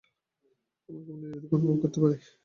আমরা কেবল নিজদিগকেই অনুভব করিতে পারি।